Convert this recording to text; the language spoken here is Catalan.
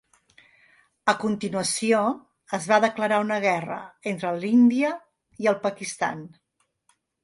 A continuació, es va declarar una guerra entre l'Índia i el Pakistan.